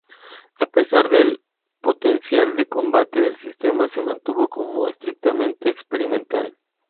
A pesar del potencial de combate del sistema, se mantuvo como estrictamente experimental.